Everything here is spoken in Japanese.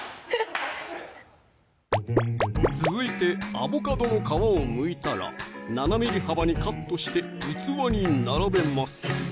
続いてアボカドの皮をむいたら７ｍｍ幅にカットして器に並べます！